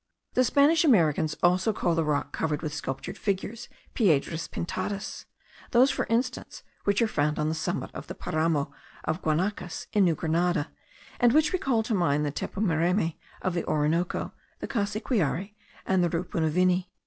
The Spanish Americans also call the rock covered with sculptured figures, piedras pintadas; those for instance, which are found on the summit of the Paramo of Guanacas, in New Grenada, and which recall to mind the tepumereme of the Orinoco, the Cassiquiare, and the Rupunuvini.)